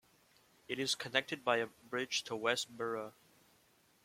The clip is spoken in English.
It is connected by a bridge to West Burra.